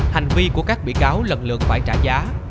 hành vi của các bị cáo lần lượt phải trả giá